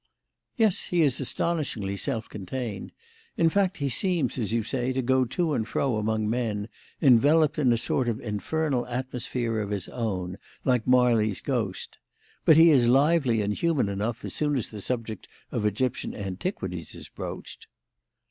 "Yes, he is astonishingly self contained; in fact, he seems, as you say, to go to and fro among men, enveloped in a sort of infernal atmosphere of his own, like Marley's ghost. But he is lively and human enough as soon as the subject of Egyptian antiquities is broached."